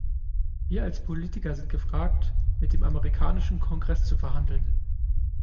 Wir als Politiker sind gefragt, mit dem amerikanischen Kongreß zu verhandeln.